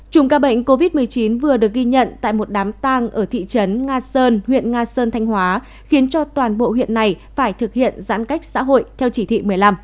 chủng ca bệnh covid một mươi chín vừa được ghi nhận tại một đám tang ở thị trấn nga sơn huyện nga sơn thanh hóa khiến cho toàn bộ huyện này phải thực hiện giãn cách xã hội theo chỉ thị một mươi năm